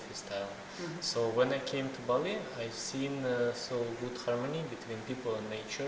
jadi ketika saya datang ke bali saya melihat harmoni yang baik antara orang dan alam